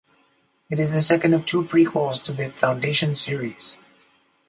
It is the second of two prequels to the "Foundation" Series.